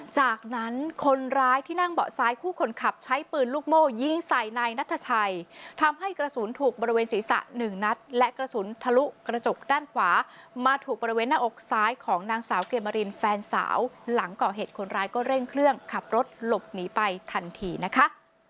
จากนั้นคนร้ายที่นั่งเบาะซ้ายคู่คนขับใช้ปืนลูกโม่ยิงใส่นายนัทชัยทำให้กระสุนถูกบริเวณศีรษะหนึ่งนัดและกระสุนทะลุกระจกด้านขวามาถูกบริเวณหน้าอกซ้ายของนางสาวเกมรินแฟนสาวหลังก่อเหตุคนร้ายก็เร่งเครื่องขับรถหลบหนีไปทันทีนะคะ